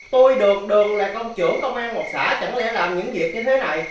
tôi được đừng là công trưởng công an một xã chẳng lẽ làm những việc như thế này